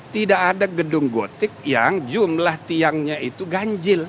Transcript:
tidak ada gedung gotik yang jumlah tiangnya itu ganjil